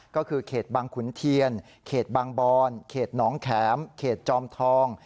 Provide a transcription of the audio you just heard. ก็คือเขตบางขุนเทียนเขตบางบอนเขตหนองแข็มเขตจอมทอง